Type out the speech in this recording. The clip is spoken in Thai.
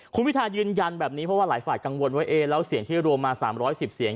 คุณพิทายืนยันแบบนี้เพราะว่าหลายฝ่ายกังวลว่าเอ๊ะแล้วเสียงที่รวมมา๓๑๐เสียง